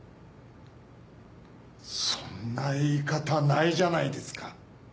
そんな言い方ないじゃないですか！